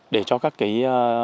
để cho các nhà trồng trồng